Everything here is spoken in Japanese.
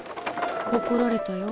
怒られたよ